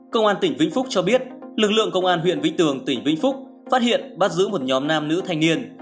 công an tỉnh vĩnh phúc cho biết lực lượng công an huyện vĩnh tường tỉnh vĩnh phúc phát hiện bắt giữ một nhóm nam nữ thanh niên